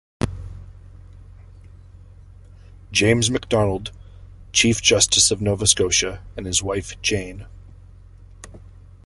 James McDonald, Chief Justice of Nova Scotia, and his wife, Jane.